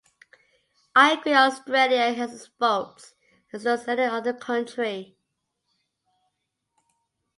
I agree Australia has its faults, as does any other country.